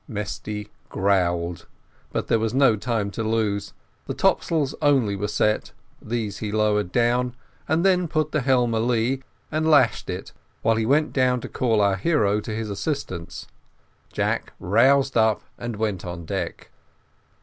Mesty growled, but there was no time to lose; the topsails only were set these he lowered down, and then put the helm a lee, and lashed it, while he went down to call our hero to his assistance. Jack roused up, and went on deck.